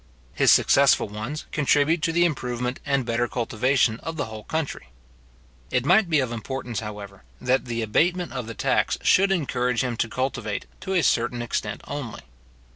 His successful ones contribute to the improvement and better cultivation of the whole country. It might be of importance, however, that the abatement of the tax should encourage him to cultivate to a certain extent only.